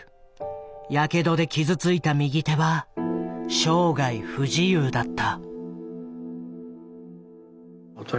やけどで傷ついた右手は生涯不自由だった。